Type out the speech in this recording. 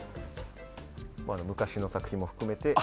昔の作品も含めて。